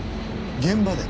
現場で？